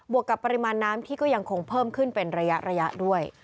วกกับปริมาณน้ำที่ก็ยังคงเพิ่มขึ้นเป็นระยะด้วย